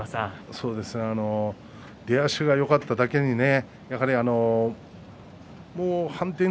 そうですね出足がよかっただけにね。